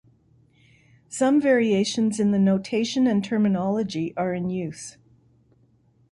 Some variations in the notation and terminology are in use.